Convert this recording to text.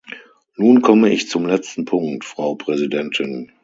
Nun komme ich zum letzten Punkt, Frau Präsidentin.